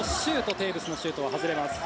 テーブスのシュートは外れます。